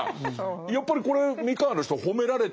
やっぱりこれ三河の人褒められてるっていうか。